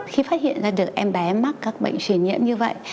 khi phát hiện ra được em bé mắc các bệnh truyền nhiễm như vậy